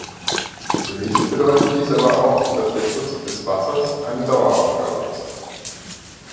Für mich bedeutet dies aber auch, dass der Schutz des Wassers eine Daueraufgabe ist.